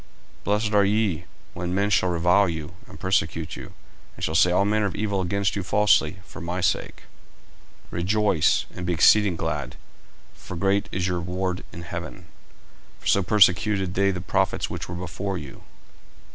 40:005:011 Blessed are ye, when men shall revile you, and persecute you, and shall say all manner of evil against you falsely, for my sake. 40:005:012 Rejoice, and be exceeding glad: for great is your reward in heaven: for so persecuted they the prophets which were before you.